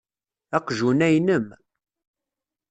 Aqjun-a inem.